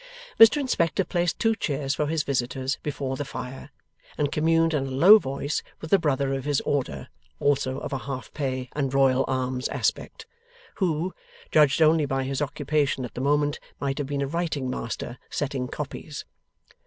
Mr Inspector placed two chairs for his visitors, before the fire, and communed in a low voice with a brother of his order (also of a half pay, and Royal Arms aspect), who, judged only by his occupation at the moment, might have been a writing master, setting copies.